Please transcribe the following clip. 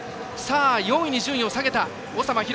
４位に順位を下げた長麻尋。